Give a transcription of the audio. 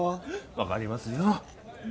分かりますよ